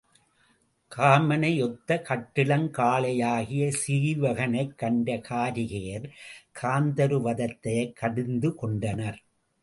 காமனை ஒத்த கட்டிளங் காளையாகிய சீவகனைக் கண்ட காரிகையர் காந்தருவதத்தையைக் கடிந்து கொண்டனர்.